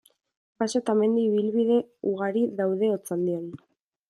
Baso eta mendi ibilbide ugari daude Otxandion.